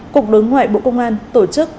cục đối ngoại bộ công an tổ chức